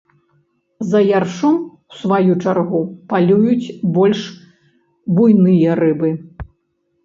За яршом у сваю чаргу палююць больш буйныя рыбы.